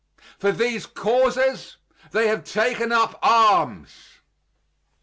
For these causes they have taken up arms.